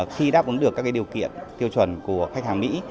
khi đáp ứng được các điều kiện tiêu chuẩn của khách hàng mỹ